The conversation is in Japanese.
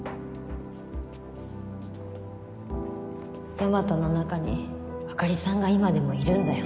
大和の中にあかりさんが今でもいるんだよ